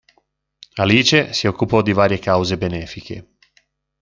Alice si occupò di varie cause benefiche.